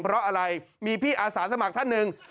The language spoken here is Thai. เพราะอะไรมีพี่อาสาสมัครท่านหนึ่ง